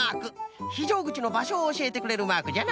ひじょうぐちのばしょをおしえてくれるマークじゃな。